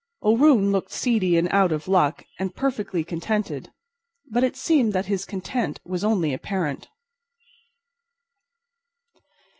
O'Roon looked seedy and out of luck and perfectly contented. But it seemed that his content was only apparent.